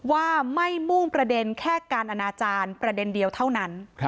ว่าไม่มุ่งประเด็นแค่การอนาจารย์ประเด็นเดียวเท่านั้น